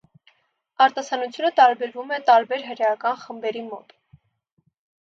Արտասանությունը տարբերվում է տարբեր հրեական խմբերի մոտ։